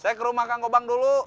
saya ke rumah kangkobang dulu